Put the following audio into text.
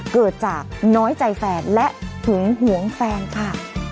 เกิดจากน้อยใจแฟนและหึงหวงแฟนค่ะ